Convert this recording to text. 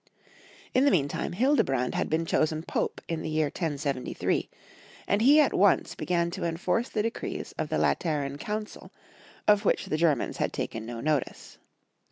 In the meantime Hildebrand had been chosen Pope, in the year 1073, and he at once began to enforce the decrees of the Lateran Council, of which the Germans had taken no notice.